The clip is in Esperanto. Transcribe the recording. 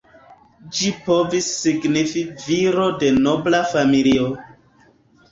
Ĝi povis signifi "viro de nobla familio".